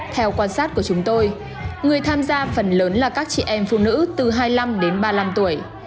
theo quan sát của chúng tôi người tham gia phần lớn là các chị em phụ nữ từ hai mươi năm đến ba mươi năm tuổi